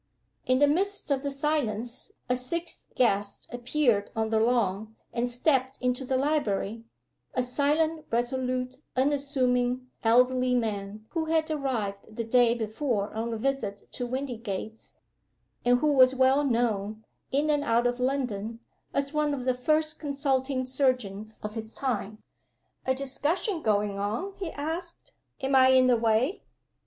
In the midst of the silence a sixth guest appeared on the lawn, and stepped into the library a silent, resolute, unassuming, elderly man who had arrived the day before on a visit to Windygates, and who was well known, in and out of London, as one of the first consulting surgeons of his time. "A discussion going on?" he asked. "Am I in the way?"